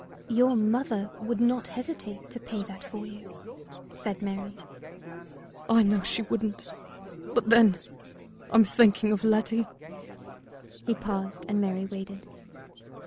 "Your mother would not hesitate to pay that for you?" said Mary. "I know she wouldn't; but, then, I'm thinking of Letty." He paused, and Mary waited.